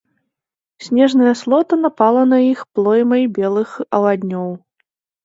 Снежная слота напала на іх плоймай белых аваднёў.